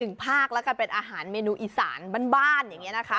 ภาคแล้วกันเป็นอาหารเมนูอีสานบ้านอย่างนี้นะคะ